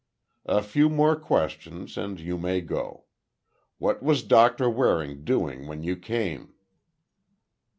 A few more questions and you may go. What was Doctor Waring doing when you came?"